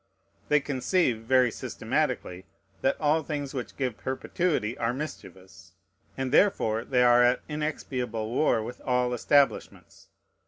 They conceive, very systematically, that all things which give perpetuity are mischievous, and therefore they are at inexpiable war with all establishments.